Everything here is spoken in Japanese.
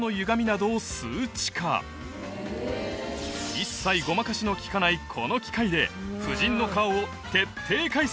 一切ごまかしの利かないこの機械で夫人の顔を徹底解析！